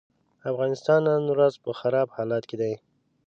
افغانستان نن ورځ په خراب حالت کې دی.